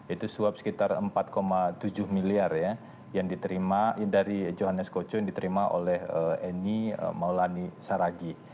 itu suap sekitar empat tujuh miliar ya yang diterima dari johannes koco yang diterima oleh eni maulani saragi